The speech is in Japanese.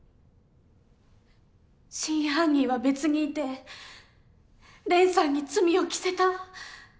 真犯人は別にいて蓮さんに罪を着せた。